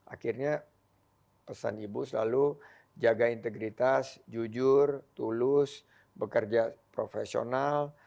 akhirnya pesan ibu selalu jaga integritas jujur tulus bekerja profesional